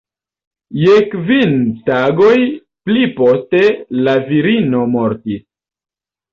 Je kvin tagoj pli poste la virino mortis.